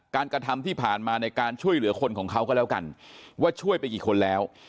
กระทำที่ผ่านมาในการช่วยเหลือคนของเขาก็แล้วกันว่าช่วยไปกี่คนแล้ว